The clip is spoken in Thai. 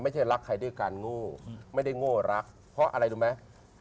ไม่ใช่รักใครด้วยการโง่ไม่ได้โง่รักเพราะอะไรรู้ไหม